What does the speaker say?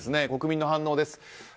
国民の反応です。